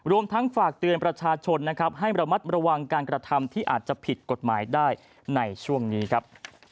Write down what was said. รวมทั้งฝากเตือนประชาชนนะครับให้ระมัดระวังการกระทำที่อาจจะผิดกฎหมายได้ในช่วงนี้ครับ